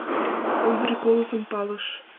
Ондрий колызым палыш.